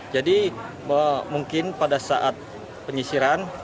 jadi mungkin pada saat penyisiran